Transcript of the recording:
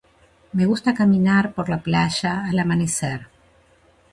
Me gusta caminar por la playa al amanecer.